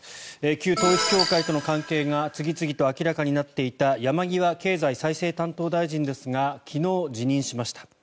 旧統一教会との関係が次々と明らかになっていた山際経済再生担当大臣ですが昨日、辞任しました。